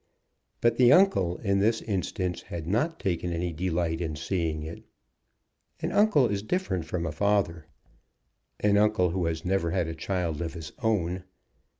But the uncle in this instance had not taken any delight in seeing it. An uncle is different from a father, an uncle who has never had a child of his own.